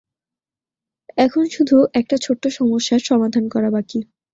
এখন শুধু একটা ছোট্ট সমস্যার সমাধান করা বাকি।